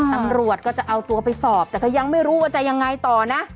ตำรวจก็จะเอาตัวไปสอบแต่ก็ยังไม่รู้ว่าจะยังไงต่อนะ